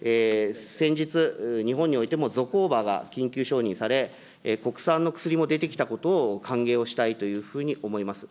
先日、日本においてもゾコーバが緊急承認され、国産の薬も出てきたことも歓迎をしたいというふうに思います。